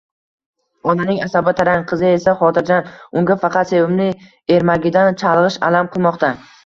Onaning asabi tarang, qizi esa xotirjam, unga faqat sevimli ermagidan chalg‘ish alam qilmoqda.